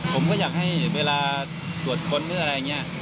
ผมก็อยากให้เวลาตรวจพลดอะไรอย่างเนี่ย